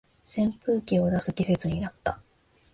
扇風機を出す季節になった